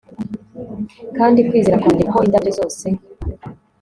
Kandi kwizera kwanjye ko indabyo zose